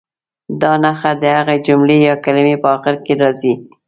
دا نښه د هغې جملې یا کلمې په اخر کې راځي.